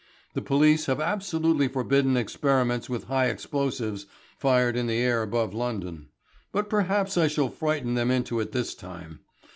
The police have absolutely forbidden experiments with high explosives, fired in the air above London. But perhaps I shall frighten them into it this time.